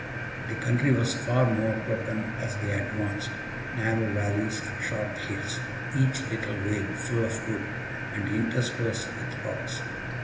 The country was far more broken as they advanced narrow valleys and sharp hills, each little vale full of wood, and interspersed with rocks.